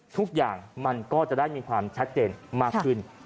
ทุกอย่างมันก็จะได้มีความชัดเจนมากขึ้น